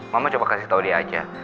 mama coba kasih tau dia aja